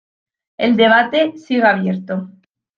El debate sigue abierto.